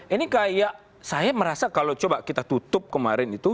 ini kayak saya merasa kalau coba kita tutup kemarin itu